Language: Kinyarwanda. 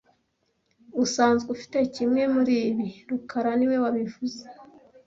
Usanzwe ufite kimwe muri ibi rukara niwe wabivuze